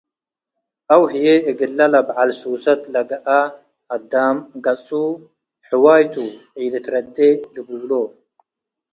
አው ሀዬ እግል ለበዐል ሱሰት ለገአ አዳም፤ “ገጹ ሕዋይ ቱ፤ ኢልትረዴ” ልቡሎ።